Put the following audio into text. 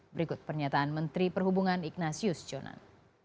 berikut pernyataan menteri perhubungan ignatius jonan